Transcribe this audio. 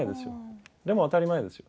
当たり前ですよ。